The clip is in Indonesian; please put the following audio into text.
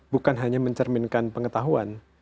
bukan hanya mencerminkan pengetahuan